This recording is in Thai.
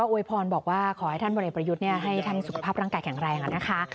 วยพรบอกว่าขอให้ท่านบริประยุทธ์ให้ท่านสุขภาพร่างกายแข็งแรงนะคะ